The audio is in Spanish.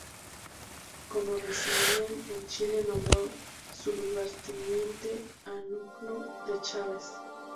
Como residía en Chile nombró su lugarteniente a Ñuflo de Chaves.